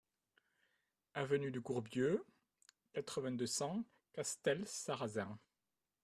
Avenue de Courbieu, quatre-vingt-deux, cent Castelsarrasin